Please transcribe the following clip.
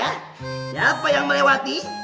siapa yang melewati